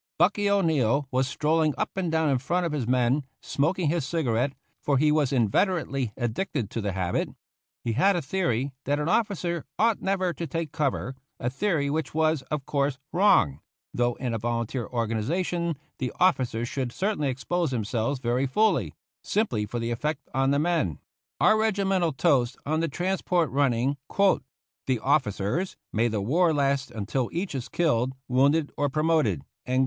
Bucky O'Neill was strolling up and down in front of his men, smoking his cigarette, for he was in veterately addicted to the habit. He had a theory that an officer ought never to take cover — a theory which was, of course, wrong, though in a volun teer organization the officers should certainly ex pose themselves very fully, simply for the effect on the men; our regimental toast on the trans port running, "The officers; may the war last until each is killed, wounded, or promoted."